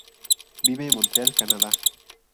Vive en Montreal, Canadá.